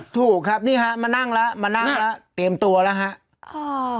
ถูกครับนี่ฮะมานั่งแล้วมานั่งแล้วเตรียมตัวแล้วครับ